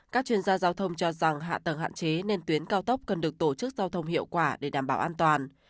các chuyên gia giao thông cho rằng hạ tầng hạn chế nên tuyến cao tốc cần được tổ chức giao thông hiệu quả để đảm bảo an toàn